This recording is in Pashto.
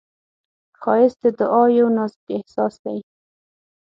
ښایست د دعا یو نازک احساس دی